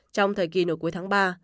trong thời kỳ nửa cuối tháng ba